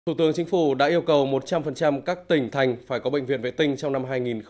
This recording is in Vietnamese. thủ tướng chính phủ đã yêu cầu một trăm linh các tỉnh thành phải có bệnh viện vệ tinh trong năm hai nghìn hai mươi